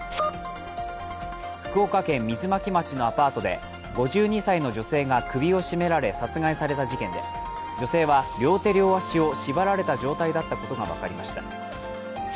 福岡県水巻町のアパートで５２歳の女性が首を絞められ殺害された事件で、女性は両手両足を縛られた状態だったことが分かりました。